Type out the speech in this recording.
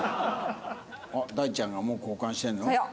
あっ大ちゃんがもう交換してるの？